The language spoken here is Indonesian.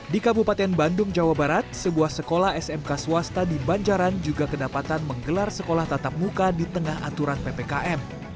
di kabupaten bandung jawa barat sebuah sekolah smk swasta di banjaran juga kedapatan menggelar sekolah tatap muka di tengah aturan ppkm